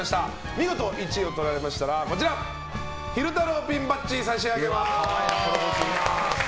見事１位を取りましたら昼太郎ピンバッジを差し上げます。